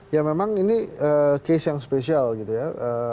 ya memang ini case yang spesial gitu ya